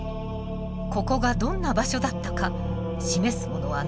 ここがどんな場所だったか示すものは何もない。